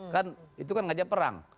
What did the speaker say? kan itu kan ngajak perang